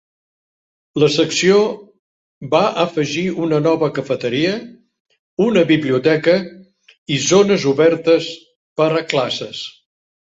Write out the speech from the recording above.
La secció va afegir una nova cafeteria, una biblioteca i zones obertes per a classes.